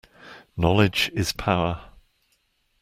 Knowledge is power.